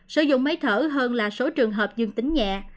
sử dụng máy thở hơn là số trường hợp dương tính nhẹ